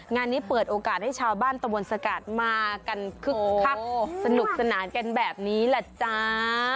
งานนี้เปิดโอกาสให้ชาวบ้านตะบนสกัดมากันคึกคักสนุกสนานกันแบบนี้แหละจ้า